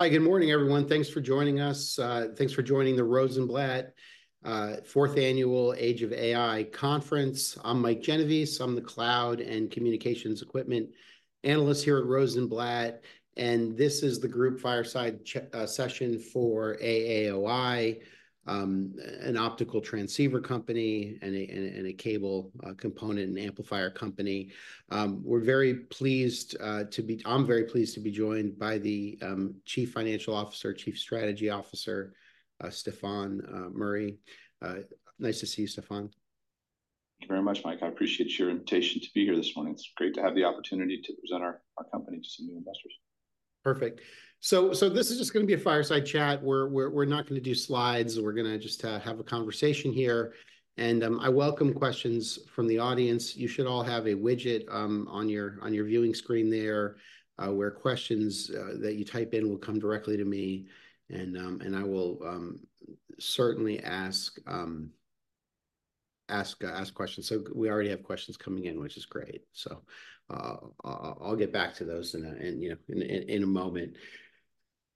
Hi, good morning, everyone. Thanks for joining us. Thanks for joining the Rosenblatt fourth annual Age of AI Conference. I'm Mike Genovese. I'm the Cloud and Communications Equipment Analyst here at Rosenblatt, and this is the group fireside session for AAOI, an optical transceiver company, and a cable component and amplifier company. I'm very pleased to be joined by the Chief Financial Officer, Chief Strategy Officer, Stefan Murry. Nice to see you, Stefan. Thank you very much, Mike. I appreciate your invitation to be here this morning. It's great to have the opportunity to present our company to some new investors. Perfect. So this is just gonna be a fireside chat. We're not gonna do slides. We're gonna just have a conversation here, and I welcome questions from the audience. You should all have a widget on your viewing screen there, where questions that you type in will come directly to me, and I will certainly ask questions. So we already have questions coming in, which is great. So I'll get back to those in a moment,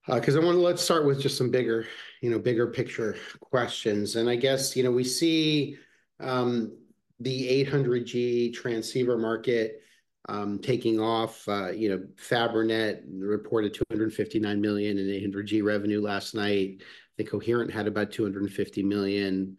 you know. 'Cause I wanna. Let's start with just some bigger, you know, bigger picture questions. I guess, you know, we see the 800G transceiver market taking off, you know, Fabrinet reported $259 million in 800G revenue last night. I think Coherent had about $250 million.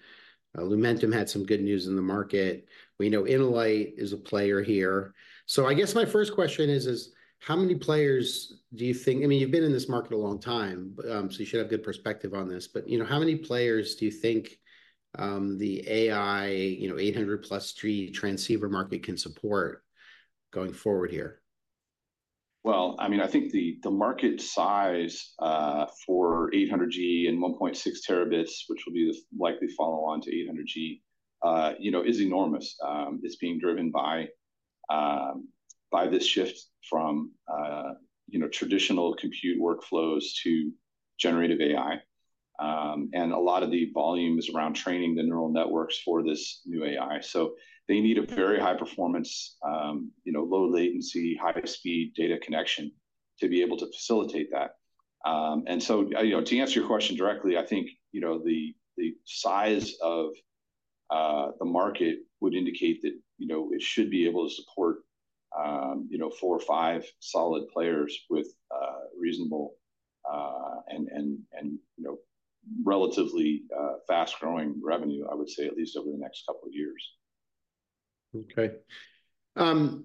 Lumentum had some good news in the market. We know InnoLight is a player here. So I guess my first question is how many players do you think... I mean, you've been in this market a long time, but, so you should have good perspective on this, but, you know, how many players do you think, the AI, you know, 800G-plus transceiver market can support going forward here? I mean, I think the market size for 800G and 1.6 terabits, which will be the likely follow-on to 800G, you know, is enormous. It's being driven by this shift from, you know, traditional compute workflows to generative AI. And a lot of the volume is around training the neural networks for this new AI. So they need a very high performance, you know, low latency, high speed data connection to be able to facilitate that. And so, you know, to answer your question directly, I think, you know, the size of the market would indicate that, you know, it should be able to support, you know, four or five solid players with reasonable and, you know, relatively fast-growing revenue. I would say, at least over the next couple of years. Okay.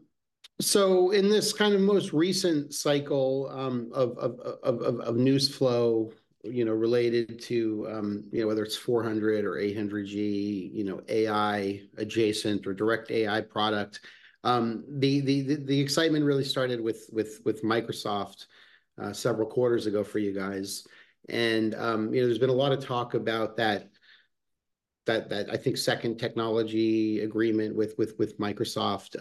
So in this kind of most recent cycle of news flow, you know, related to, you know, whether it's 400 or 800 G, you know, AI adjacent or direct AI product, the excitement really started with Microsoft several quarters ago for you guys. And, you know, there's been a lot of talk about that, I think, second technology agreement with Microsoft,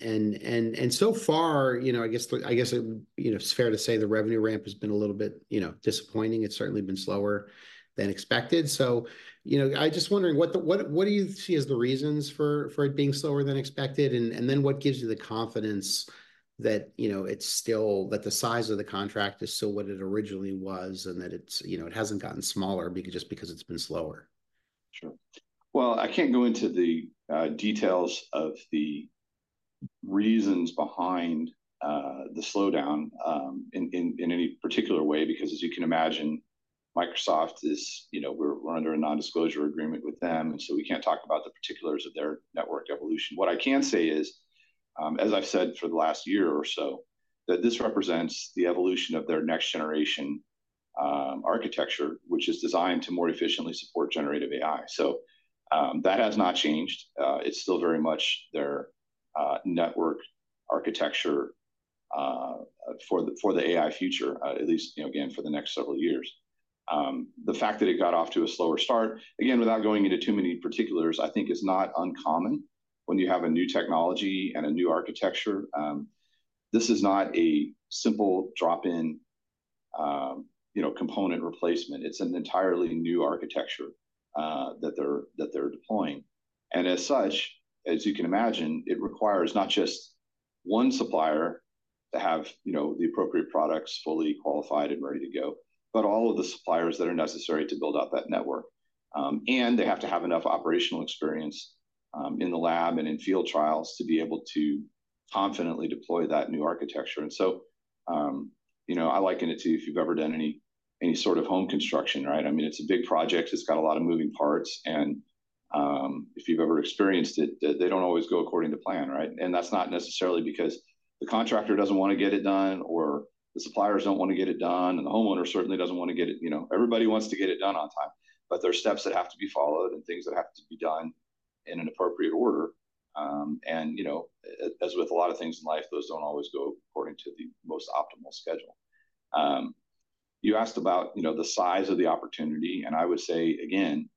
and so far, you know, I guess, you know, it's fair to say the revenue ramp has been a little bit, you know, disappointing. It's certainly been slower than expected. So, you know, I'm just wondering, what do you see as the reasons for it being slower than expected? And then what gives you the confidence that, you know, it's still that the size of the contract is still what it originally was, and that it's, you know, it hasn't gotten smaller because just because it's been slower? Sure. Well, I can't go into the details of the reasons behind the slowdown in any particular way, because as you can imagine, Microsoft is, you know, we're under a non-disclosure agreement with them, and so we can't talk about the particulars of their network evolution. What I can say is, as I've said for the last year or so, that this represents the evolution of their next generation architecture, which is designed to more efficiently support generative AI. So, that has not changed. It's still very much their network architecture for the AI future, at least, you know, again, for the next several years. The fact that it got off to a slower start, again, without going into too many particulars, I think is not uncommon when you have a new technology and a new architecture. This is not a simple drop-in, you know, component replacement. It's an entirely new architecture, that they're deploying. And as such, as you can imagine, it requires not just one supplier to have, you know, the appropriate products fully qualified and ready to go, but all of the suppliers that are necessary to build out that network. And they have to have enough operational experience, in the lab and in field trials to be able to confidently deploy that new architecture. And so, you know, I liken it to, if you've ever done any sort of home construction, right? I mean, it's a big project, it's got a lot of moving parts, and, if you've ever experienced it, they don't always go according to plan, right? And that's not necessarily because the contractor doesn't wanna get it done, or the suppliers don't wanna get it done, and the homeowner certainly doesn't wanna get it, you know... Everybody wants to get it done on time, but there are steps that have to be followed and things that have to be done in an appropriate order. And, you know, as with a lot of things in life, those don't always go according to the most optimal schedule. You asked about, you know, the size of the opportunity, and I would say, again,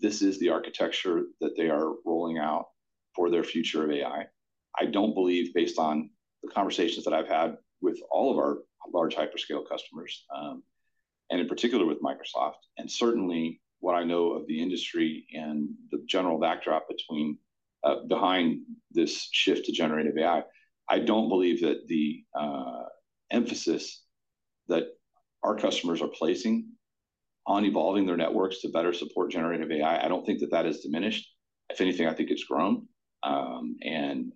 this is the architecture that they are rolling out for their future of AI. I don't believe, based on the conversations that I've had with all of our large hyperscale customers, and in particular with Microsoft, and certainly what I know of the industry and the general backdrop behind this shift to generative AI, I don't believe that the emphasis that our customers are placing on evolving their networks to better support generative AI, I don't think that that has diminished. If anything, I think it's grown, and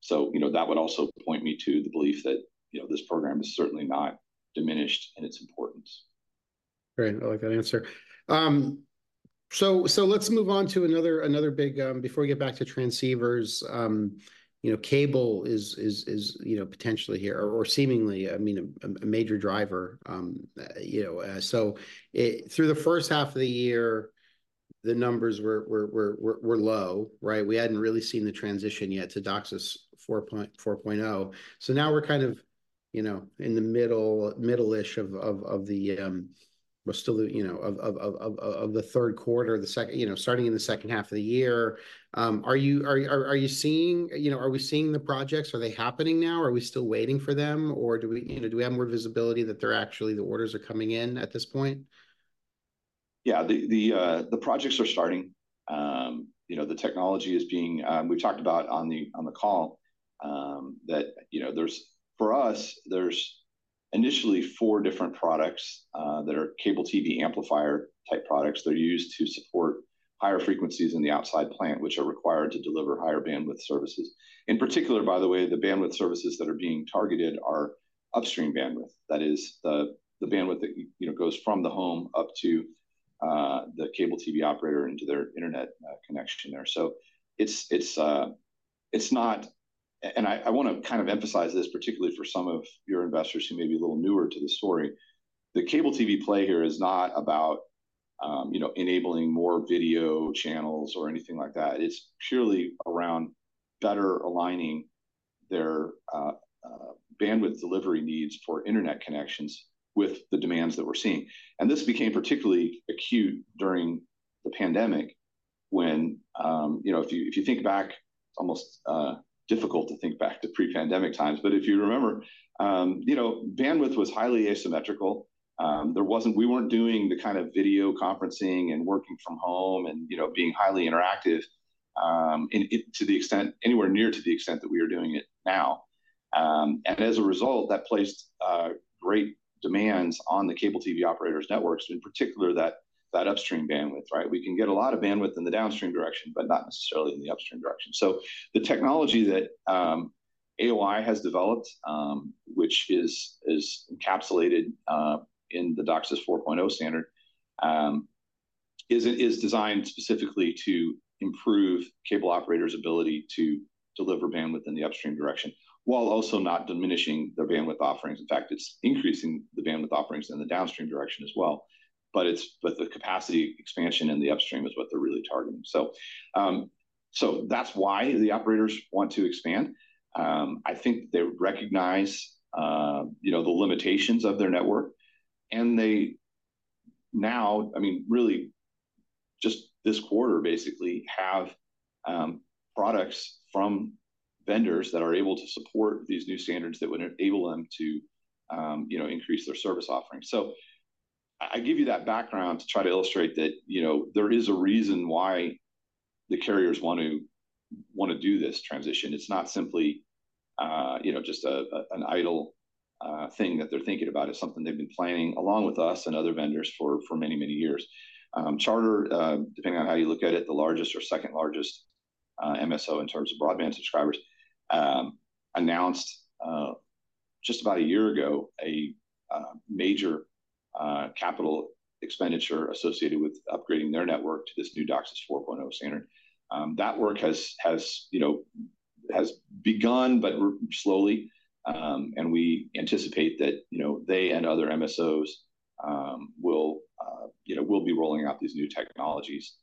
so, you know, that would also point me to the belief that, you know, this program is certainly not diminished in its importance. Great, I like that answer. So let's move on to another big, before we get back to transceivers, you know, cable is, you know, potentially here, or seemingly, I mean, a major driver. You know, through the first half of the year, the numbers were low, right? We hadn't really seen the transition yet to DOCSIS 4.0. So now we're kind of, you know, in the middle-ish of the, well, still the third quarter, the second half of the year. You know, starting in the second half of the year. Are you seeing, you know, are we seeing the projects? Are they happening now or are we still waiting for them, or do we, you know, do we have more visibility that they're actually, the orders are coming in at this point? Yeah, the projects are starting. You know, the technology is being. We've talked about on the call that, you know, for us, there's initially four different products that are cable TV amplifier-type products that are used to support higher frequencies in the outside plant, which are required to deliver higher bandwidth services. In particular, by the way, the bandwidth services that are being targeted are upstream bandwidth. That is, the bandwidth that you know goes from the home up to the cable TV operator into their internet connection there. So it's not... And I, I wanna kind of emphasize this, particularly for some of your investors who may be a little newer to the story, the cable TV play here is not about, you know, enabling more video channels or anything like that. It's purely around better aligning their bandwidth delivery needs for internet connections with the demands that we're seeing. And this became particularly acute during the pandemic when, you know, if you think back, almost difficult to think back to pre-pandemic times, but if you remember, you know, bandwidth was highly asymmetrical. There wasn't - we weren't doing the kind of video conferencing and working from home and, you know, being highly interactive in to the extent, anywhere near to the extent that we are doing it now. And as a result, that placed great demands on the cable TV operators' networks, in particular, that upstream bandwidth, right? We can get a lot of bandwidth in the downstream direction, but not necessarily in the upstream direction. So the technology that AOI has developed, which is encapsulated in the DOCSIS 4.0 standard, is designed specifically to improve cable operators' ability to deliver bandwidth in the upstream direction, while also not diminishing their bandwidth offerings. In fact, it's increasing the bandwidth offerings in the downstream direction as well, but the capacity expansion in the upstream is what they're really targeting. That's why the operators want to expand. I think they recognize, you know, the limitations of their network, and they now, I mean, really just this quarter, basically, have products from vendors that are able to support these new standards that would enable them to, you know, increase their service offerings. So I give you that background to try to illustrate that, you know, there is a reason why the carriers want to, wanna do this transition. It's not simply, you know, just an idle thing that they're thinking about. It's something they've been planning, along with us and other vendors, for many, many years. Charter, depending on how you look at it, the largest or second largest MSO in terms of broadband subscribers, announced just about a year ago a major capital expenditure associated with upgrading their network to this new DOCSIS 4.0 standard. That work has you know begun but really slowly, and we anticipate that, you know, they and other MSOs will you know will be rolling out these new technologies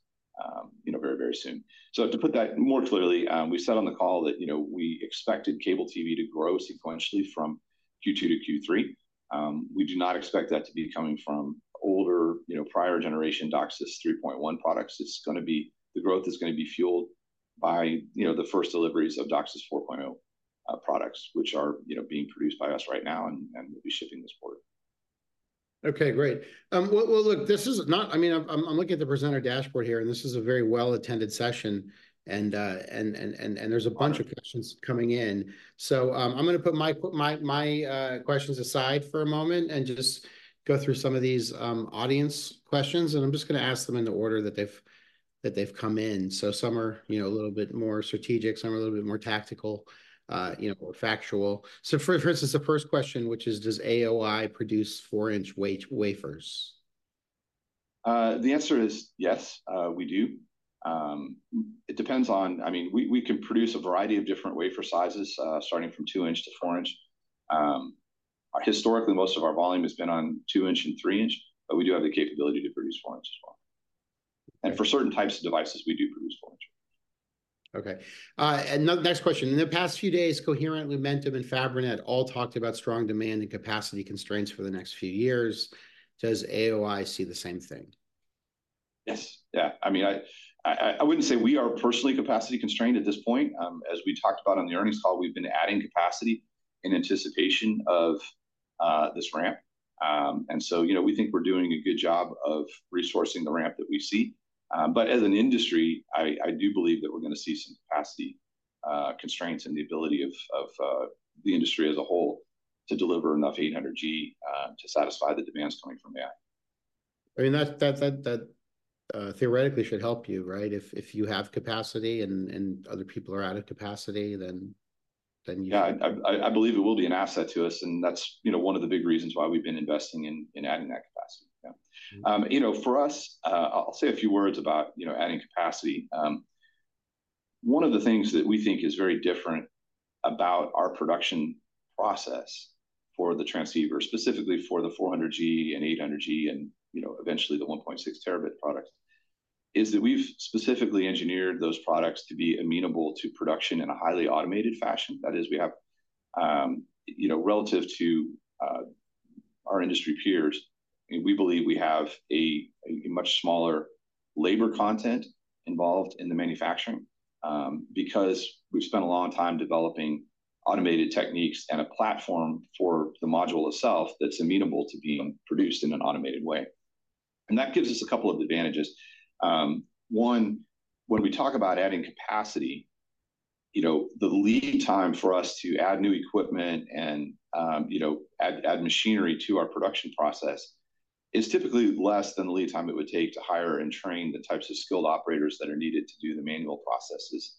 you know very very soon. So to put that more clearly, we said on the call that, you know, we expected cable TV to grow sequentially from Q2 to Q3. We do not expect that to be coming from older you know prior generation DOCSIS 3.1 products. It's gonna be... The growth is gonna be fueled by, you know, the first deliveries of DOCSIS 4.0 products, which are, you know, being produced by us right now, and we'll be shipping this quarter. Okay, great. Well, look, I mean, I'm looking at the presenter dashboard here, and this is a very well-attended session, and there's a bunch of questions coming in. So, I'm gonna put my questions aside for a moment and just go through some of these audience questions, and I'm just gonna ask them in the order that they've come in. So some are, you know, a little bit more strategic, some are a little bit more tactical, you know, or factual. So for instance, the first question, which is, "Does AOI produce four-inch wafers? The answer is yes, we do. It depends. I mean, we can produce a variety of different wafer sizes, starting from two inch to four inch. Historically, most of our volume has been on two inch and three inch, but we do have the capability to produce four inch as well, and for certain types of devices, we do produce four inch. Okay, and now next question: "In the past few days, Coherent, Lumentum, and Fabrinet all talked about strong demand and capacity constraints for the next few years. Does AOI see the same thing? Yes. Yeah, I mean, I wouldn't say we are personally capacity constrained at this point. As we talked about on the earnings call, we've been adding capacity in anticipation of this ramp, and so, you know, we think we're doing a good job of resourcing the ramp that we see, but as an industry, I do believe that we're gonna see some capacity constraints in the ability of the industry as a whole to deliver enough 800G to satisfy the demands coming from AI. I mean, that theoretically should help you, right? If you have capacity and other people are out of capacity, then you- Yeah, I believe it will be an asset to us, and that's, you know, one of the big reasons why we've been investing in adding that capacity. Yeah. You know, for us, I'll say a few words about, you know, adding capacity. One of the things that we think is very different about our production process for the transceiver, specifically for the 400G and 800G and, you know, eventually the 1.6 terabit products, is that we've specifically engineered those products to be amenable to production in a highly automated fashion. That is, we have, you know, relative to our industry peers, and we believe we have a much smaller labor content involved in the manufacturing, because we've spent a long time developing automated techniques and a platform for the module itself that's amenable to being produced in an automated way. And that gives us a couple of advantages. One, when we talk about adding capacity, you know, the lead time for us to add new equipment and, you know, add machinery to our production process is typically less than the lead time it would take to hire and train the types of skilled operators that are needed to do the manual processes,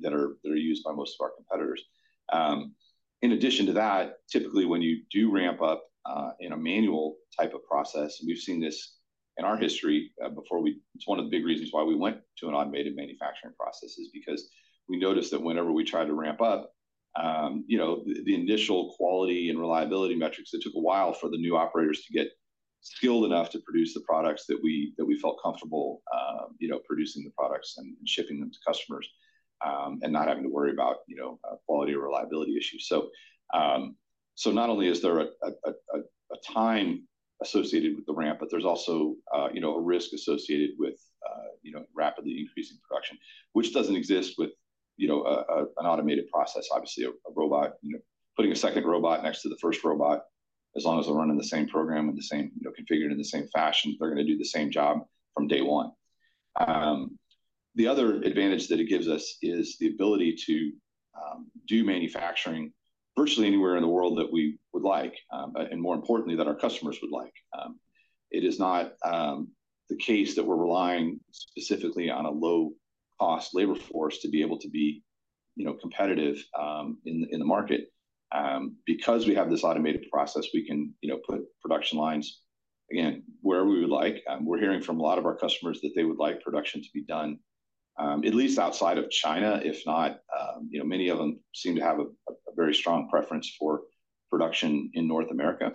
that are used by most of our competitors. In addition to that, typically when you do ramp up, in a manual type of process, and we've seen this in our history, it's one of the big reasons why we went to an automated manufacturing process is because we noticed that whenever we try to ramp up, you know, the, the initial quality and reliability metrics, it took a while for the new operators to get skilled enough to produce the products that we, that we felt comfortable, you know, producing the products and, and shipping them to customers, and not having to worry about, you know, quality or reliability issues. So, so not only is there a time associated with the ramp, but there's also, you know, a risk associated with, you know, rapidly increasing production, which doesn't exist with, you know, an automated process. Obviously, a robot, you know, putting a second robot next to the first robot, as long as they're running the same program and the same, you know, configured in the same fashion, they're gonna do the same job from day one. The other advantage that it gives us is the ability to do manufacturing virtually anywhere in the world that we would like, but, and more importantly, that our customers would like. It is not the case that we're relying specifically on a low-cost labor force to be able to be, you know, competitive in the market. Because we have this automated process, we can, you know, put production lines, again, where we would like. We're hearing from a lot of our customers that they would like production to be done, at least outside of China, if not, you know, many of them seem to have a very strong preference for production in North America,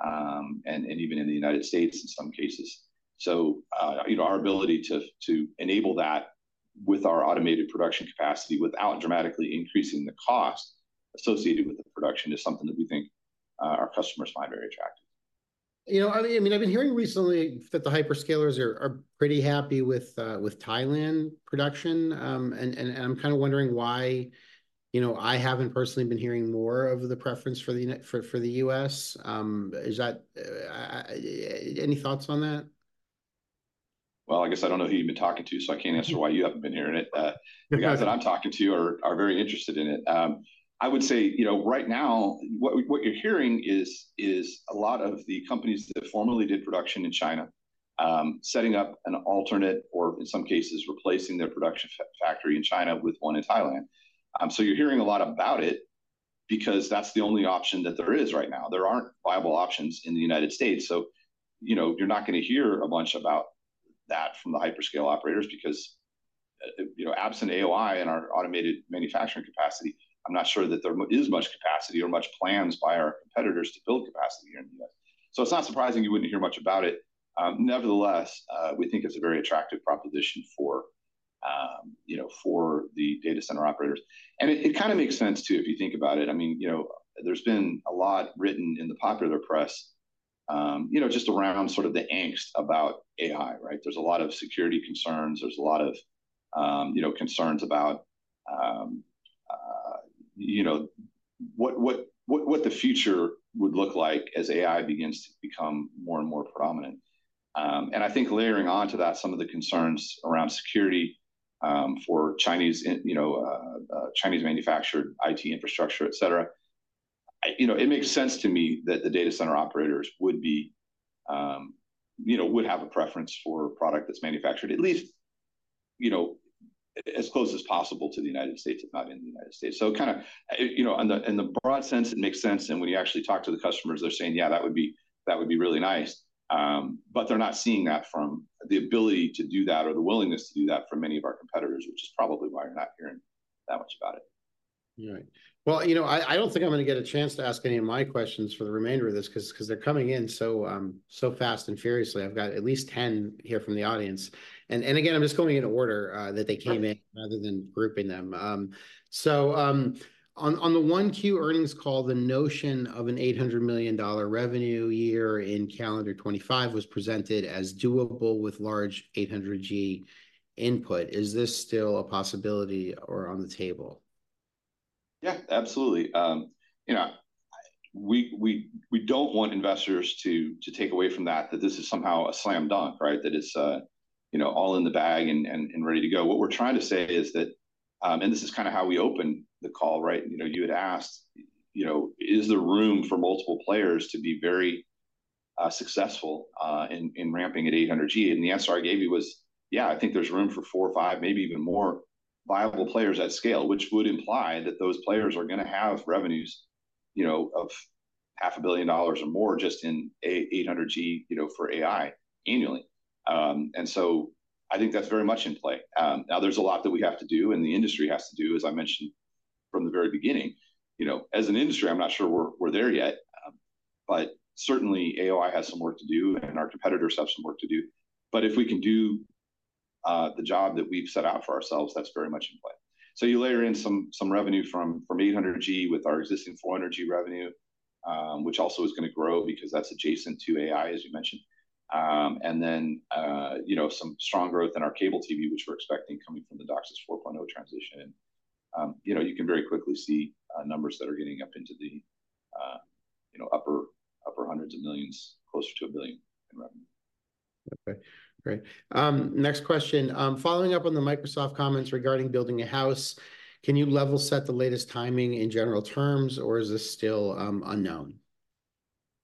and even in the United States in some cases. Our ability to enable that with our automated production capacity without dramatically increasing the cost associated with the production is something that we think our customers find very attractive. You know, I mean, I've been hearing recently that the hyperscalers are pretty happy with Thailand production. And I'm kind of wondering why, you know, I haven't personally been hearing more of the preference for the U.S. Is that any thoughts on that? I guess I don't know who you've been talking to, so I can't answer why you haven't been hearing it. The guys that I'm talking to are very interested in it. I would say, you know, right now, what you're hearing is a lot of the companies that formerly did production in China, setting up an alternate or in some cases, replacing their production factory in China with one in Thailand. So you're hearing a lot about it because that's the only option that there is right now. There aren't viable options in the United States. So, you know, you're not gonna hear a bunch about that from the hyperscale operators because you know, absent AOI in our automated manufacturing capacity, I'm not sure that there is much capacity or much plans by our competitors to build capacity here in the U.S. It's not surprising you wouldn't hear much about it. Nevertheless, we think it's a very attractive proposition for you know, for the data center operators. And it kind of makes sense too, if you think about it. I mean, you know, there's been a lot written in the popular press you know, just around sort of the angst about AI, right? There's a lot of security concerns, there's a lot of, you know, concerns about, you know, what the future would look like as AI begins to become more and more prominent. I think layering on to that, some of the concerns around security, for Chinese, and, you know, Chinese-manufactured IT infrastructure, et cetera. You know, it makes sense to me that the data center operators would be, you know, would have a preference for a product that's manufactured, at least, you know, as close as possible to the United States, if not in the United States. So kind of, you know, in the broad sense, it makes sense, and when you actually talk to the customers, they're saying, "Yeah, that would be, that would be really nice." But they're not seeing that from the ability to do that or the willingness to do that from many of our competitors, which is probably why you're not hearing that much about it.... Right. Well, you know, I don't think I'm gonna get a chance to ask any of my questions for the remainder of this, 'cause they're coming in so fast and furiously. I've got at least 10 here from the audience. And again, I'm just going in order that they came in- Right... rather than grouping them. So, on the one Q earnings call, the notion of an $800 million revenue year in calendar 2025 was presented as doable with large 800G input. Is this still a possibility or on the table? Yeah, absolutely. You know, we don't want investors to take away from that this is somehow a slam dunk, right? That it's you know, all in the bag and ready to go. What we're trying to say is that and this is kind of how we opened the call, right? You know, you had asked, you know, "Is there room for multiple players to be very successful in ramping at 800G?" and the answer I gave you was, "Yeah, I think there's room for four or five, maybe even more viable players at scale," which would imply that those players are gonna have revenues, you know, of $500 million or more just in 800G, you know, for AI annually, and so I think that's very much in play. Now there's a lot that we have to do, and the industry has to do, as I mentioned from the very beginning. You know, as an industry, I'm not sure we're there yet, but certainly AOI has some work to do, and our competitors have some work to do, but if we can do the job that we've set out for ourselves, that's very much in play, so you layer in some revenue from 800G with our existing 400G revenue, which also is gonna grow because that's adjacent to AI, as you mentioned, and then you know some strong growth in our cable TV, which we're expecting coming from the DOCSIS 4.0 transition. You know, you can very quickly see numbers that are getting up into the, you know, upper hundreds of millions, closer to a billion in revenue. Okay. Great. Next question. Following up on the Microsoft comments regarding building a house, can you level set the latest timing in general terms, or is this still unknown?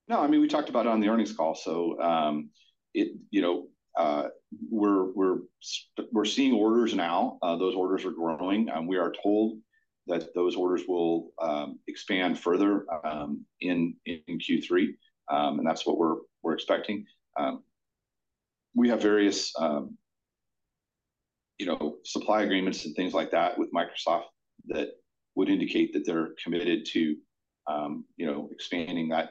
No, I mean, we talked about it on the earnings call, so, you know, we're seeing orders now. Those orders are growing, and we are told that those orders will expand further in Q3. That's what we're expecting. We have various, you know, supply agreements and things like that with Microsoft that would indicate that they're committed to, you know, expanding that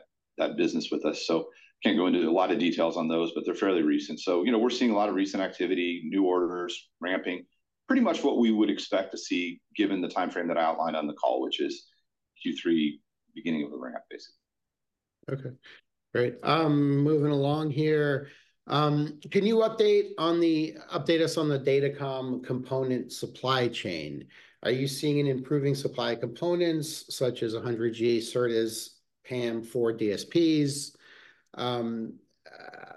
business with us. So can't go into a lot of details on those, but they're fairly recent. You know, we're seeing a lot of recent activity, new orders, ramping. Pretty much what we would expect to see given the timeframe that I outlined on the call, which is Q3, beginning of the ramp, basically. Okay. Great. Moving along here. Can you update us on the datacom component supply chain? Are you seeing an improving supply components such as 100G SerDes, PAM4 DSPs?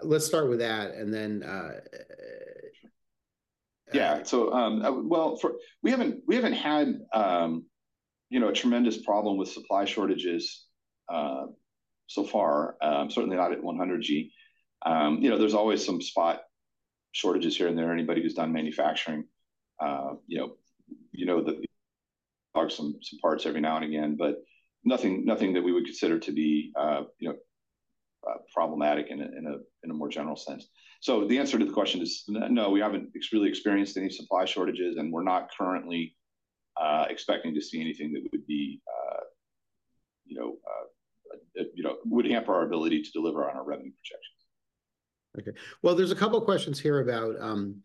Let's start with that, and then, Yeah. So, well, we haven't had, you know, a tremendous problem with supply shortages so far, certainly not at 100G. You know, there's always some spot shortages here and there. Anybody who's done manufacturing, you know, you know that there are some parts every now and again, but nothing that we would consider to be, you know, would hamper our ability to deliver on our revenue projections. Okay. Well, there's a couple of questions here about, you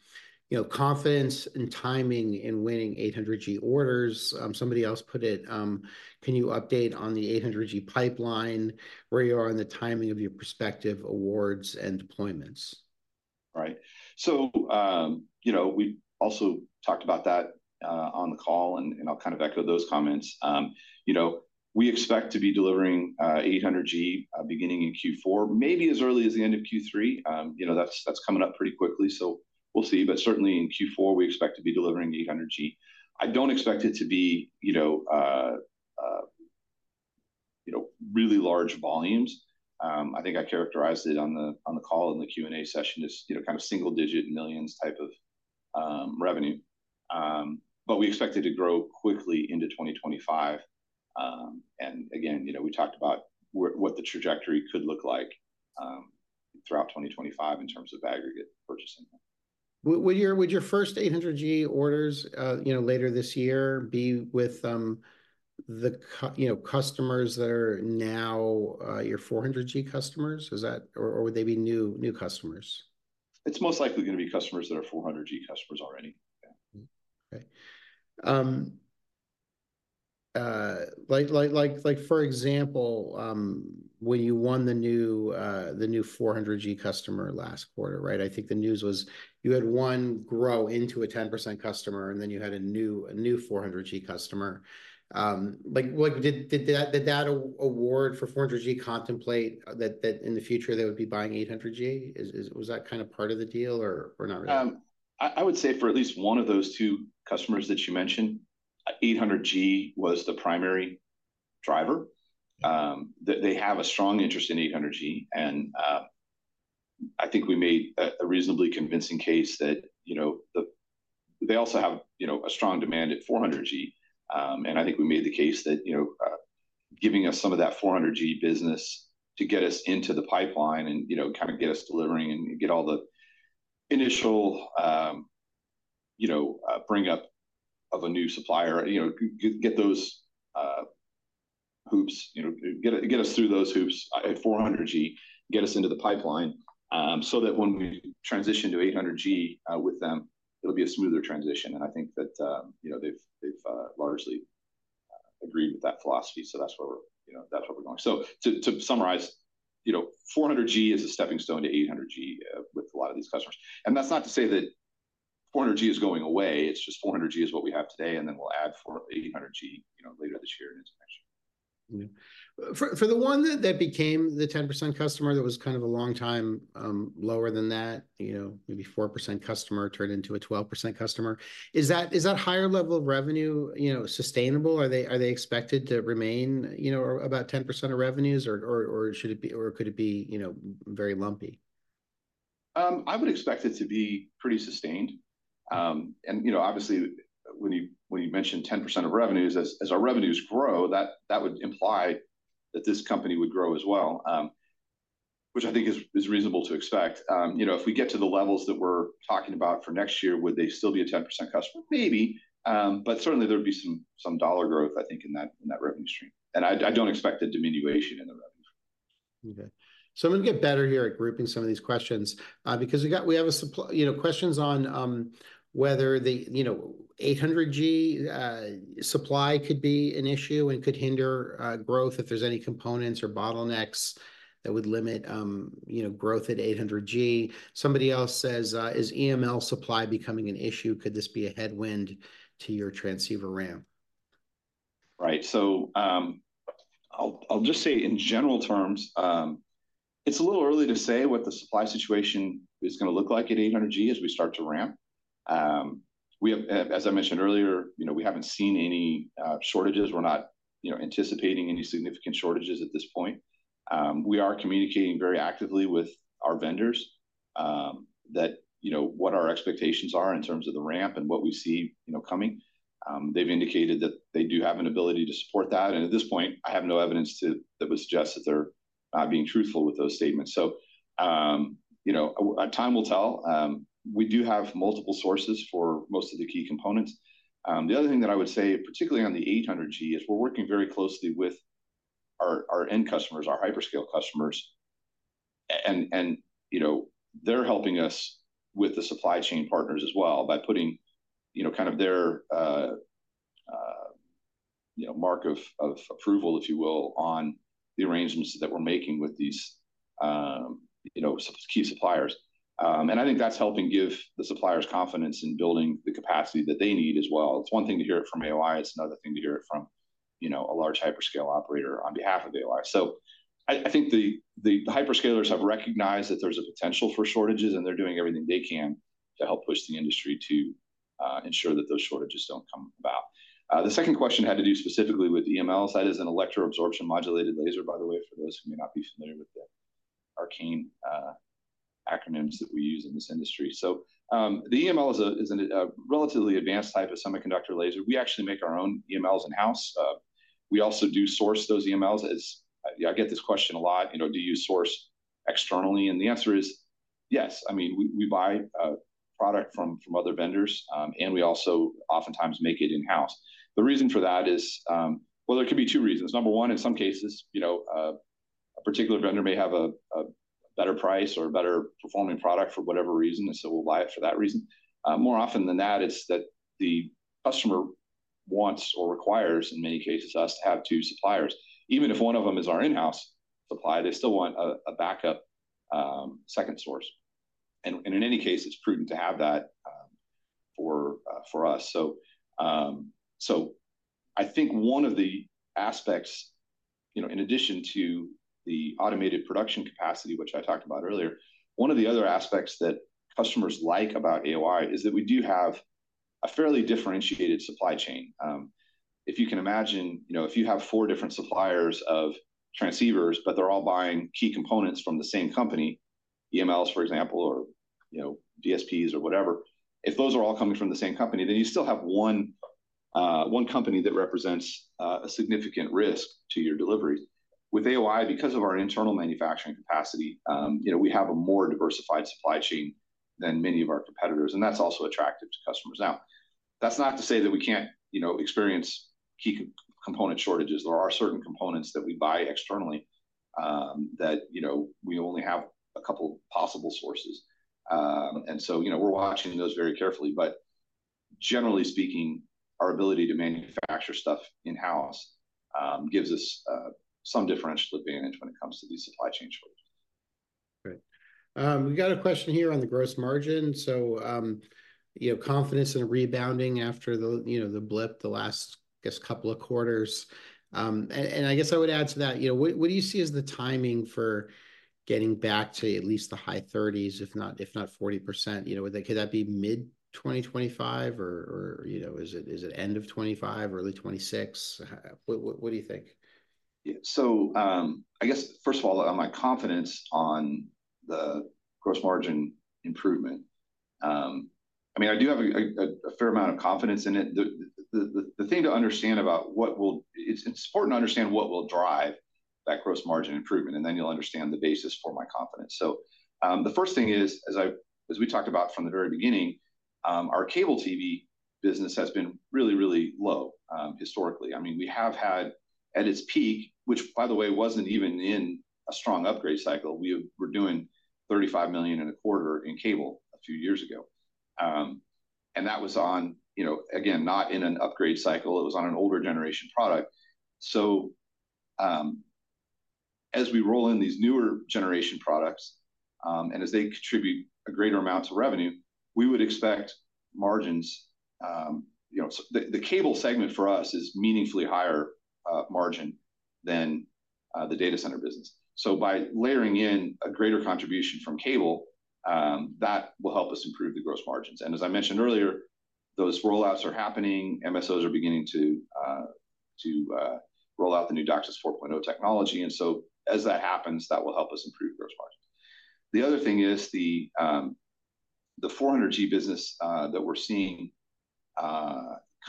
know, confidence and timing in winning 800G orders. Somebody else put it, "Can you update on the 800G pipeline, where you are on the timing of your prospective awards and deployments? Right, so you know, we also talked about that on the call, and I'll kind of echo those comments. You know, we expect to be delivering 800G beginning in Q4, maybe as early as the end of Q3. You know, that's coming up pretty quickly, so we'll see, but certainly in Q4, we expect to be delivering 800G. I don't expect it to be, you know, really large volumes. I think I characterized it on the call in the Q&A session as, you know, kind of single-digit millions type of revenue, but we expect it to grow quickly into 2025, and again, you know, we talked about what the trajectory could look like throughout 2025 in terms of aggregate purchasing. Would your first 800G orders, you know, later this year, be with the you know customers that are now your 400G customers? Is that? Or would they be new customers? It's most likely gonna be customers that are 400G customers already. Yeah. Okay. Like, like, for example, when you won the new 400G customer last quarter, right? I think the news was: you had one grow into a 10% customer, and then you had a new 400G customer. Like, what? Did that award for 400G contemplate that in the future, they would be buying 800G? Is, was that kind of part of the deal, or not really? I would say for at least one of those two customers that you mentioned, 800G was the primary driver. They have a strong interest in 800G, and I think we made a reasonably convincing case that, you know, the... They also have, you know, a strong demand at 400G, and I think we made the case that, you know, giving us some of that 400G business to get us into the pipeline and, you know, kind of get us delivering and get all the initial, you know, bring up of a new supplier. You know, get those hoops, you know, get us through those hoops at 400G, get us into the pipeline, so that when we transition to 800G with them, it'll be a smoother transition. And I think that, you know, they've largely agreed with that philosophy, so that's where we're, you know, that's where we're going. So to summarize, you know, 400G is a stepping stone to 800G, with a lot of these customers. And that's not to say that 400G is going away, it's just 400G is what we have today, and then we'll add 400-800G, you know, later this year and into next year. Mm-hmm. For the one that became the 10% customer, that was kind of a long time lower than that, you know, maybe 4% customer turned into a 12% customer, is that higher level of revenue, you know, sustainable? Are they expected to remain, you know, about 10% of revenues or should it be, or could it be, you know, very lumpy? I would expect it to be pretty sustained, and you know, obviously, when you mention 10% of revenues, as our revenues grow, that would imply that this company would grow as well, which I think is reasonable to expect. You know, if we get to the levels that we're talking about for next year, would they still be a 10% customer? Maybe, but certainly there'd be some dollar growth, I think, in that revenue stream, and I don't expect a diminution in the revenue. Okay. So I'm gonna get better here at grouping some of these questions, because we have a supply... You know, questions on, whether the, you know, 800G, supply could be an issue and could hinder, growth if there's any components or bottlenecks that would limit, you know, growth at 800G. Somebody else says, "Is EML supply becoming an issue? Could this be a headwind to your transceiver ramp? Right. So, I'll just say in general terms, it's a little early to say what the supply situation is gonna look like at 800G as we start to ramp. We have, as I mentioned earlier, you know, we haven't seen any shortages. We're not, you know, anticipating any significant shortages at this point. We are communicating very actively with our vendors, that, you know, what our expectations are in terms of the ramp and what we see, you know, coming. They've indicated that they do have an ability to support that, and at this point, I have no evidence that would suggest that they're not being truthful with those statements. So, you know, time will tell. We do have multiple sources for most of the key components. The other thing that I would say, particularly on the 800G, is we're working very closely with our end customers, our hyperscale customers, and, you know, they're helping us with the supply chain partners as well by putting, you know, kind of their, you know, mark of approval, if you will, on the arrangements that we're making with these, you know, key suppliers. And I think that's helping give the suppliers confidence in building the capacity that they need as well. It's one thing to hear it from AOI, it's another thing to hear it from, you know, a large hyperscale operator on behalf of AOI. So I think the hyperscalers have recognized that there's a potential for shortages, and they're doing everything they can to help push the industry to ensure that those shortages don't come about. The second question had to do specifically with EMLs. That is an electro-absorption modulated laser, by the way, for those who may not be familiar with the arcane acronyms that we use in this industry. So, the EML is a relatively advanced type of semiconductor laser. We actually make our own EMLs in-house. We also do source those EMLs as... I get this question a lot, you know, "Do you source externally?" And the answer is yes. I mean, we buy product from other vendors, and we also oftentimes make it in-house. The reason for that is, well, there could be two reasons. Number one, in some cases, you know, a particular vendor may have a better price or a better performing product for whatever reason, and so we'll buy it for that reason. More often than that, it's that the customer wants or requires, in many cases, us to have two suppliers. Even if one of them is our in-house supply, they still want a backup, second source. And in any case, it's prudent to have that, for us. So I think one of the aspects, you know, in addition to the automated production capacity, which I talked about earlier, one of the other aspects that customers like about AOI is that we do have a fairly differentiated supply chain. If you can imagine, you know, if you have four different suppliers of transceivers, but they're all buying key components from the same company, EMLs, for example, or, you know, DSPs or whatever, if those are all coming from the same company, then you still have one company that represents a significant risk to your delivery. With AOI, because of our internal manufacturing capacity, you know, we have a more diversified supply chain than many of our competitors, and that's also attractive to customers. Now, that's not to say that we can't, you know, experience key component shortages. There are certain components that we buy externally, that, you know, we only have a couple possible sources. And so, you know, we're watching those very carefully. But generally speaking, our ability to manufacture stuff in-house gives us some differential advantage when it comes to these supply chain shortages. Great. We've got a question here on the gross margin. So, you know, confidence in a rebounding after the, you know, the blip, the last, I guess, couple of quarters. And I guess I would add to that, you know, what do you see as the timing for getting back to at least the high 30s%, if not, if not 40%? You know, would that, could that be mid-2025 or, or, you know, is it, is it end of 2025, early 2026? What do you think? Yeah. So, I guess, first of all, on my confidence on the gross margin improvement, I mean, I do have a fair amount of confidence in it. The thing to understand about what will drive that gross margin improvement, and then you'll understand the basis for my confidence. So, the first thing is, as we talked about from the very beginning, our cable TV business has been really, really low, historically. I mean, we have had, at its peak, which, by the way, wasn't even in a strong upgrade cycle, we were doing $35 million in a quarter in cable a few years ago. And that was on, you know, again, not in an upgrade cycle, it was on an older generation product. So, as we roll in these newer generation products, and as they contribute a greater amount to revenue, we would expect margins. You know, so the cable segment for us is meaningfully higher margin than the data center business. So by layering in a greater contribution from cable, that will help us improve the gross margins. And as I mentioned earlier, those rollouts are happening. MSOs are beginning to roll out the new DOCSIS 4.0 technology, and so as that happens, that will help us improve gross margins. The other thing is the 400G business that we're seeing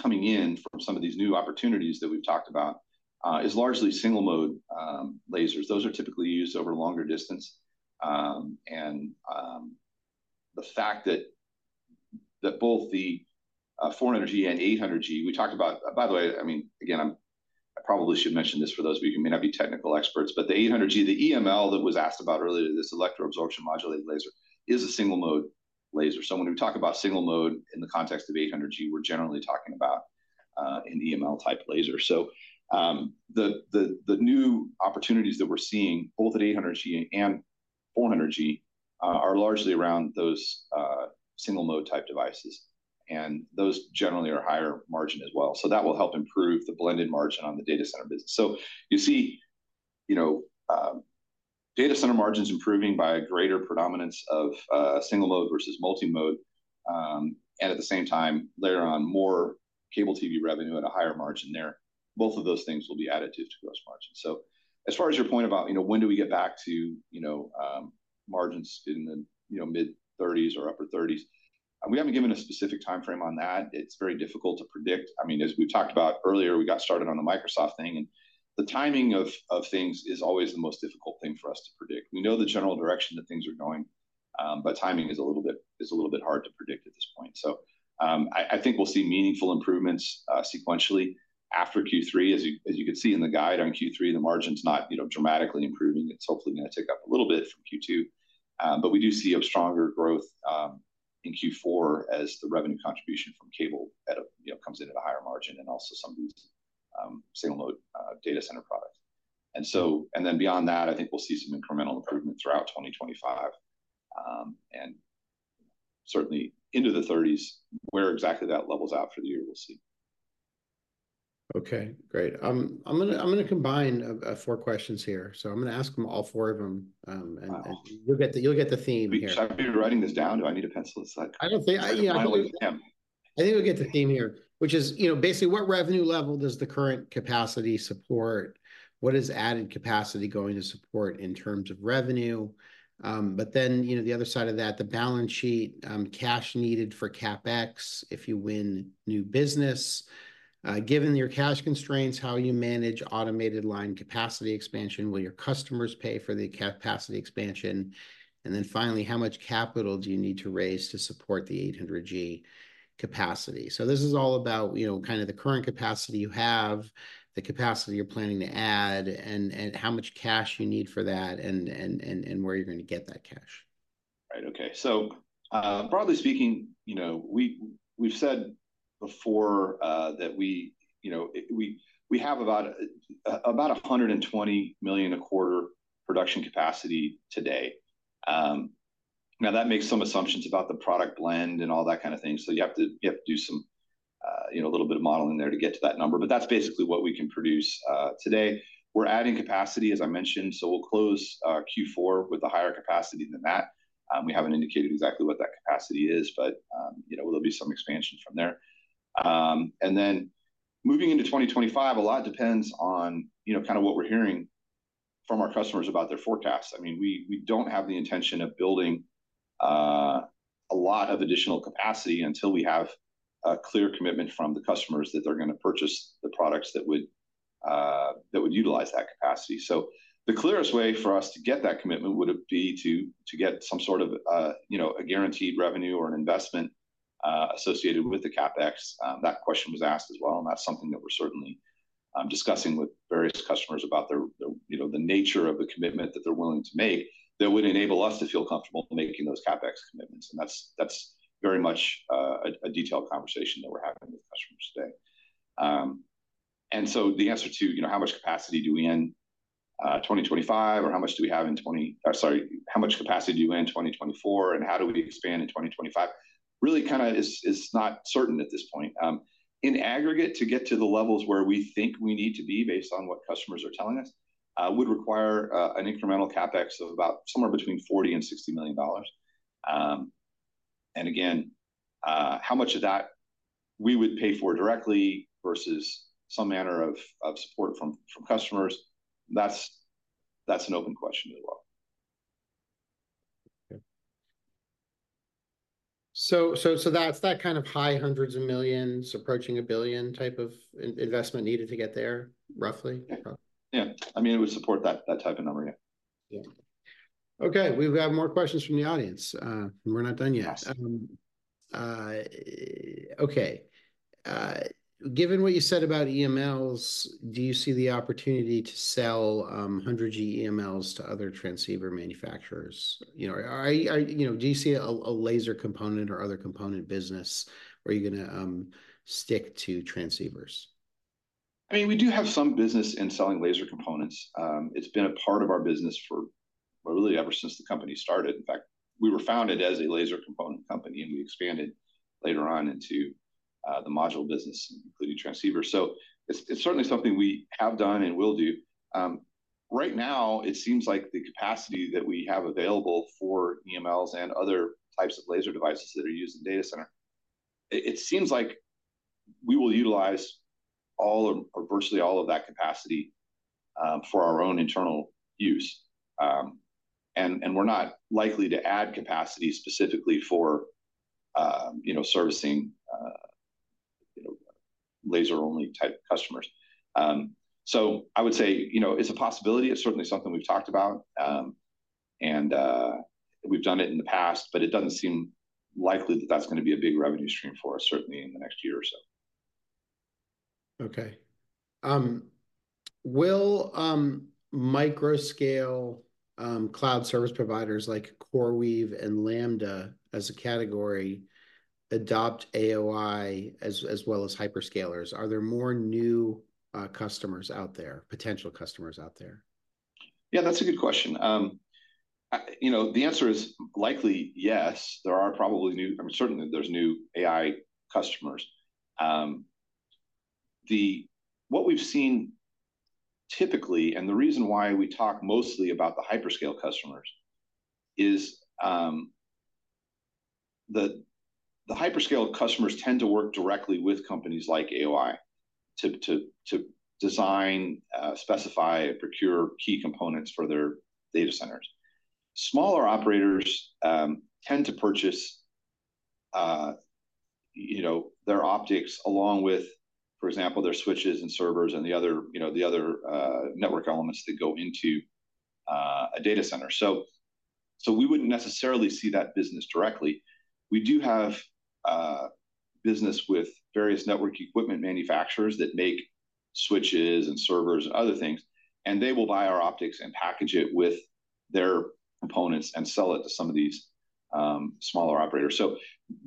coming in from some of these new opportunities that we've talked about is largely single-mode lasers. Those are typically used over longer distance. And the fact that both the 400G and 800G we talked about. By the way, I mean, again, I probably should mention this for those of you who may not be technical experts, but the 800G, the EML that was asked about earlier, this electro-absorption modulated laser, is a single-mode laser. So when we talk about single-mode in the context of 800G, we're generally talking about an EML-type laser. So the new opportunities that we're seeing, both at 800G and 400G, are largely around those single-mode type devices, and those generally are higher margin as well. So that will help improve the blended margin on the data center business. So you see, you know, data center margins improving by a greater predominance of, single-mode versus multi-mode, and at the same time, later on, more cable TV revenue at a higher margin there. Both of those things will be additive to gross margin. So as far as your point about, you know, when do we get back to, you know, margins in the, mid-thirties or upper thirties, and we haven't given a specific timeframe on that. It's very difficult to predict. I mean, as we talked about earlier, we got started on the Microsoft thing, and the timing of things is always the most difficult thing for us to predict. We know the general direction that things are going, but timing is a little bit hard to predict at this point. I think we'll see meaningful improvements sequentially after Q3. As you can see in the guide on Q3, the margin's not, you know, dramatically improving. It's hopefully gonna tick up a little bit from Q2. But we do see a stronger growth in Q4 as the revenue contribution from cable, you know, comes in at a higher margin, and also some of these single-mode data center products. Then beyond that, I think we'll see some incremental improvement throughout twenty twenty-five and certainly into the thirties. Where exactly that levels out for the year, we'll see. Okay, great. I'm gonna combine four questions here, so I'm gonna ask them, all four of them, and- Wow! You'll get the theme here. Should I be writing this down? Do I need a pencil and such? Yeah, I- I believe him. I think you'll get the theme here, which is, you know, basically, what revenue level does the current capacity support? What is added capacity going to support in terms of revenue? But then, you know, the other side of that, the balance sheet, cash needed for CapEx if you win new business. Given your cash constraints, how you manage automated line capacity expansion? Will your customers pay for the capacity expansion? And then finally, how much capital do you need to raise to support the 800G capacity? This is all about, you know, kind of the current capacity you have, the capacity you're planning to add, and where you're going to get that cash. Right. Okay. So, broadly speaking, you know, we've said before that we, you know, we have about $120 million a quarter production capacity today. Now, that makes some assumptions about the product blend and all that kind of thing, so you have to do some you know, a little bit of modeling there to get to that number, but that's basically what we can produce. Today, we're adding capacity, as I mentioned, so we'll close Q4 with a higher capacity than that. We haven't indicated exactly what that capacity is, but you know, there'll be some expansion from there. And then moving into twenty twenty-five, a lot depends on, you know, kind of what we're hearing from our customers about their forecasts. I mean, we don't have the intention of building a lot of additional capacity until we have a clear commitment from the customers that they're gonna purchase the products that would utilize that capacity. So the clearest way for us to get that commitment would be to get some sort of, you know, a guaranteed revenue or an investment associated with the CapEx. That question was asked as well, and that's something that we're certainly discussing with various customers about their, you know, the nature of the commitment that they're willing to make, that would enable us to feel comfortable making those CapEx commitments, and that's very much a detailed conversation that we're having with customers today. And so the answer to, you know, how much capacity do you end in 2024, and how do we expand in 2025? Really, kind of, is not certain at this point. In aggregate, to get to the levels where we think we need to be based on what customers are telling us, would require an incremental CapEx of about somewhere between $40 million and $60 million. And again, how much of that we would pay for directly versus some manner of support from customers, that's an open question as well. Okay. So that's that kind of high hundreds of millions, approaching a billion type of investment needed to get there, roughly? Yeah. Yeah, I mean, it would support that, that type of number, yeah. Yeah. Okay, we've got more questions from the audience, and we're not done yet. Awesome. Given what you said about EMLs, do you see the opportunity to sell 100G EMLs to other transceiver manufacturers? You know, do you see a laser component or other component business, or are you gonna stick to transceivers? I mean, we do have some business in selling laser components. It's been a part of our business for well, really ever since the company started. In fact, we were founded as a laser component company, and we expanded later on into the module business, including transceivers. So it's certainly something we have done and will do. Right now, it seems like the capacity that we have available for EMLs and other types of laser devices that are used in data center. It seems like we will utilize all of, or virtually all of that capacity for our own internal use. And we're not likely to add capacity specifically for you know, servicing you know, laser-only type customers. So I would say, you know, it's a possibility. It's certainly something we've talked about, and we've done it in the past, but it doesn't seem likely that that's gonna be a big revenue stream for us, certainly in the next year or so. Okay. Will micro-scale cloud service providers like CoreWeave and Lambda, as a category, adopt AOI as well as hyperscalers? Are there more new customers out there, potential customers out there? Yeah, that's a good question. You know, the answer is likely yes, there are probably new AI customers. I mean, certainly, there's new AI customers. What we've seen typically, and the reason why we talk mostly about the hyperscale customers, is the hyperscale customers tend to work directly with companies like AOI to design, specify, and procure key components for their data centers. Smaller operators tend to purchase, you know, their optics along with, for example, their switches and servers and the other network elements that go into a data center. So we wouldn't necessarily see that business directly. We do have business with various network equipment manufacturers that make switches and servers and other things, and they will buy our optics and package it with their components and sell it to some of these smaller operators. So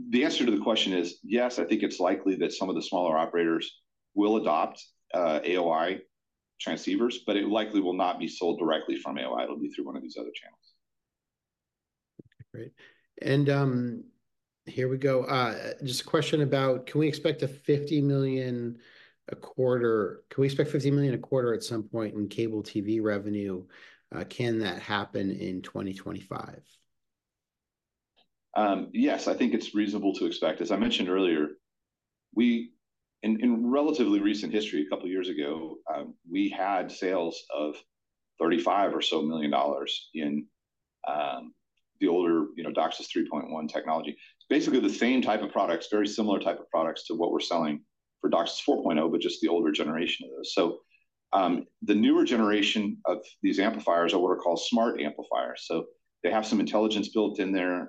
the answer to the question is, yes, I think it's likely that some of the smaller operators will adopt AOI transceivers, but it likely will not be sold directly from AOI. It'll be through one of these other channels. Great. And here we go. Just a question about, can we expect $50 million a quarter at some point in cable TV revenue? Can that happen in 2025? Yes, I think it's reasonable to expect. As I mentioned earlier, we in relatively recent history, a couple of years ago, we had sales of $35 million or so in the older, you know, DOCSIS 3.1 technology. It's basically the same type of products, very similar type of products to what we're selling for DOCSIS 4.0, but just the older generation of those. So, the newer generation of these amplifiers are what are called smart amplifiers, so they have some intelligence built in there.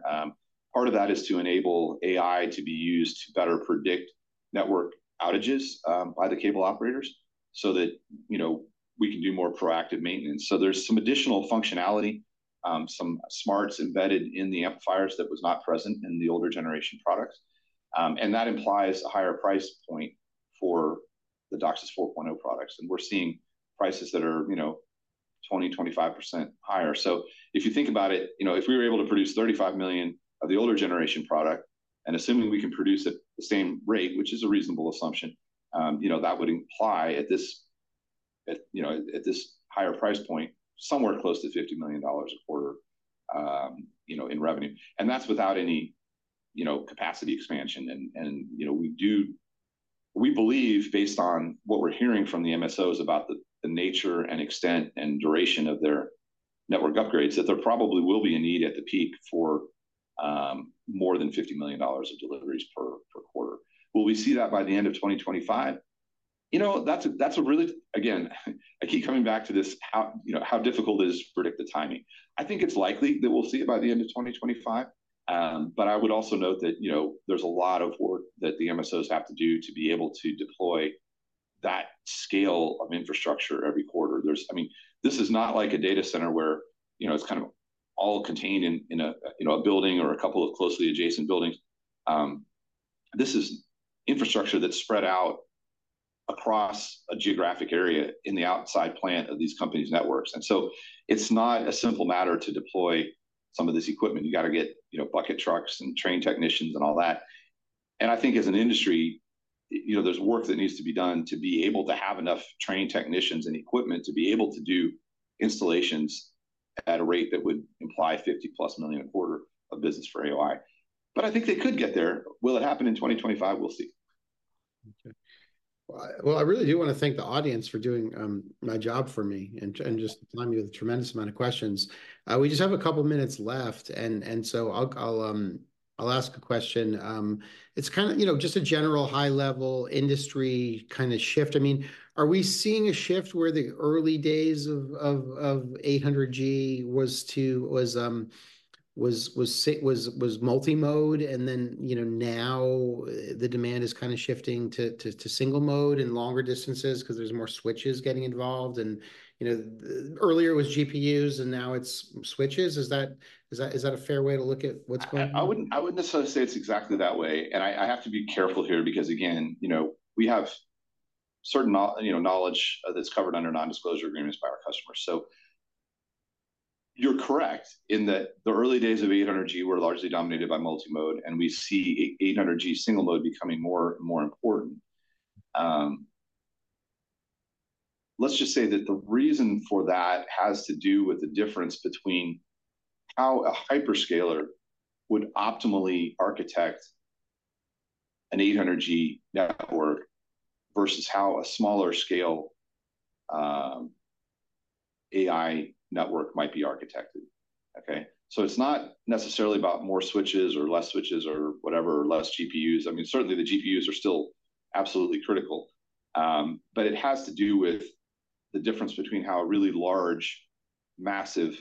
Part of that is to enable AI to be used to better predict network outages by the cable operators, so that, you know, we can do more proactive maintenance. So there's some additional functionality, some smarts embedded in the amplifiers that was not present in the older generation products. and that implies a higher price point for the DOCSIS 4.0 products, and we're seeing prices that are, you know, 20-25% higher. So if you think about it, you know, if we were able to produce 35 million of the older generation product, and assuming we can produce at the same rate, which is a reasonable assumption, you know, that would imply at this, you know, at this higher price point, somewhere close to $50 million a quarter, you know, in revenue. And that's without any, you know, capacity expansion. And, you know, we believe, based on what we're hearing from the MSOs about the, the nature and extent and duration of their network upgrades, that there probably will be a need at the peak for, more than $50 million of deliveries per quarter. Will we see that by the end of twenty twenty-five? You know, that's a really... Again, I keep coming back to this, how, you know, how difficult it is to predict the timing. I think it's likely that we'll see it by the end of twenty twenty-five. But I would also note that, you know, there's a lot of work that the MSOs have to do to be able to deploy that scale of infrastructure every quarter. I mean, this is not like a data center where, you know, it's kind of all contained in a you know, a building or a couple of closely adjacent buildings. This is infrastructure that's spread out across a geographic area in the outside plant of these companies' networks. And so it's not a simple matter to deploy some of this equipment. You got to get, you know, bucket trucks and trained technicians and all that. And I think as an industry, you know, there's work that needs to be done to be able to have enough trained technicians and equipment to be able to do installations at a rate that would imply $50 million-plus a quarter of business for AOI. But I think they could get there. Will it happen in twenty twenty-five? We'll see. Okay. Well, I really do wanna thank the audience for doing my job for me, and just supplying me with a tremendous amount of questions. We just have a couple minutes left, and so I'll ask a question. It's kinda, you know, just a general high-level industry kinda shift. I mean, are we seeing a shift where the early days of 800G was multi-mode, and then, you know, now the demand is kinda shifting to single-mode and longer distances 'cause there's more switches getting involved? And, you know, earlier it was GPUs, and now it's switches. Is that a fair way to look at what's going on? I wouldn't necessarily say it's exactly that way, and I have to be careful here because, again, you know, we have certain knowledge, you know, that's covered under non-disclosure agreements by our customers. So you're correct in that the early days of 800G were largely dominated by multi-mode, and we see 800G single-mode becoming more and more important. Let's just say that the reason for that has to do with the difference between how a hyperscaler would optimally architect an 800G network versus how a smaller scale, AI network might be architected, okay? So it's not necessarily about more switches or less switches or whatever, less GPUs. I mean, certainly, the GPUs are still absolutely critical. But it has to do with the difference between how a really large, massive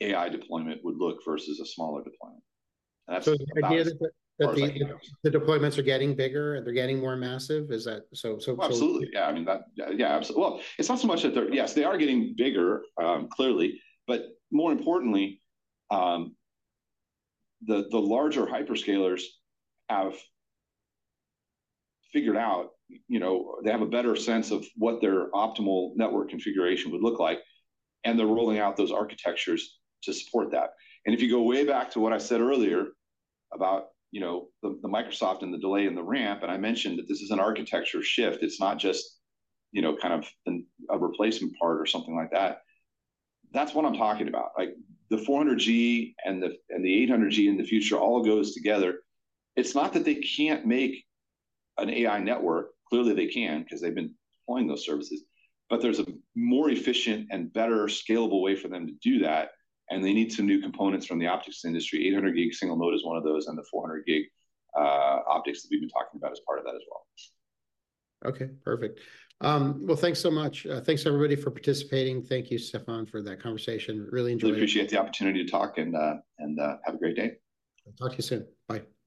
AI deployment would look versus a smaller deployment, and that's about as far as I can go. So the idea that the deployments are getting bigger and they're getting more massive, is that... Absolutely, yeah. I mean, well, it's not so much that they're... Yes, they are getting bigger, clearly, but more importantly, the larger hyperscalers have figured out, you know, they have a better sense of what their optimal network configuration would look like, and they're rolling out those architectures to support that. If you go way back to what I said earlier about, you know, the Microsoft and the delay in the ramp, and I mentioned that this is an architecture shift. It's not just, you know, kind of a replacement part or something like that. That's what I'm talking about. Like, the 400G and the 800G in the future all goes together. It's not that they can't make an AI network. Clearly, they can, 'cause they've been deploying those services, but there's a more efficient and better scalable way for them to do that, and they need some new components from the optics industry. 800 gig single-mode is one of those, and the 400 gig optics that we've been talking about is part of that as well. Okay, perfect. Well, thanks so much. Thanks, everybody, for participating. Thank you, Stefan, for that conversation. Really enjoyed it. I appreciate the opportunity to talk and have a great day. Talk to you soon. Bye.